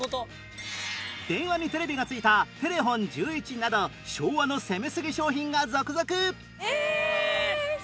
電話にテレビが付いたてれ・ほん１１など昭和の攻めすぎ商品が続々！